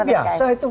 komunikasi biasa itu